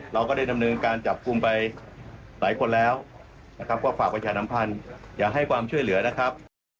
เราก็ได้ดำเนินการจับกลุ่มไปหลายคนแล้วนะครับก็ฝากประชาสัมพันธ์อย่าให้ความช่วยเหลือนะครับ